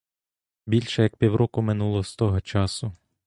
Більше як півроку минуло з того часу.